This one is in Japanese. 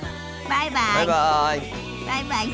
バイバイ。